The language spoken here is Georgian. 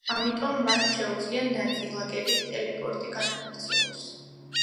ამიტომ მას შეუძლია ნაწილაკების ტელეპორტი განახორციელოს.